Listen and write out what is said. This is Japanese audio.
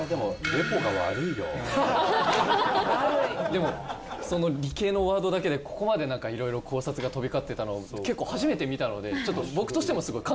でもその理系のワードだけでここまでなんかいろいろ考察が飛び交ってたの結構初めて見たのでちょっと僕としてもすごい感動してます